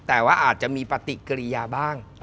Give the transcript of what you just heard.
แต่ว่าอาจจะมีปฏิกิริยาบ้าง